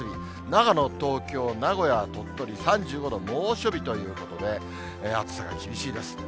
長野、東京、名古屋、鳥取３５度、猛暑日ということで、暑さが厳しいです。